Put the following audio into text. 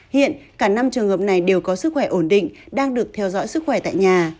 hiện cả năm trường hợp này đều có sức khỏe ổn định đang được theo dõi sức khỏe tại nhà